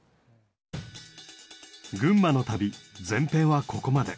群馬の旅前編はここまで。